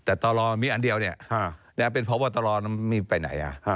แต่ตลอมันมีอันเดียวเนี่ยเนี่ยเป็นพระบอตลอมันไม่ไปไหน